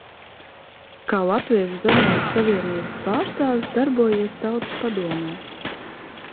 Kā Latviešu zemnieku savienības pārstāvis darbojies Tautas padomē.